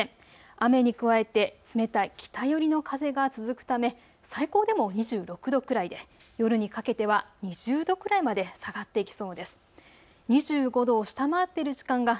雨に加えて冷たい北寄りの風が続くため最高でも２６度くらいで夜にかけては２０度くらいまで下がっていきそうです。